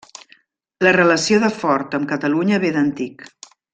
La relació de Ford amb Catalunya ve d'antic.